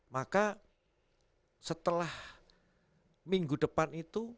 maka setelah minggu depan itu